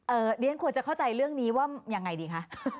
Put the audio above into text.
เดี๋ยวฉันควรจะเข้าใจเรื่องนี้ว่ายังไงดีคะ